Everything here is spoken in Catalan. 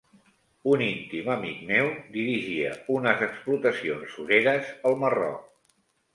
Un íntim amic meu dirigia unes explotacions sureres al Marroc.